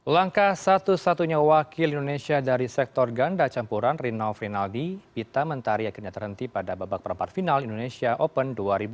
langkah satu satunya wakil indonesia dari sektor ganda campuran rinal frinaldi pita mentari akhirnya terhenti pada babak perempat final indonesia open dua ribu dua puluh